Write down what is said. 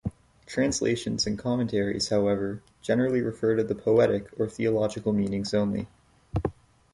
Translations and commentaries, however, generally refer to the poetic or theological meanings only.